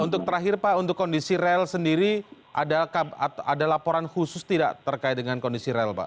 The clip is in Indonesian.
untuk terakhir pak untuk kondisi rel sendiri ada laporan khusus tidak terkait dengan kondisi rel pak